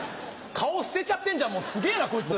顔捨てちゃってんじゃんもうすげぇなこいつ！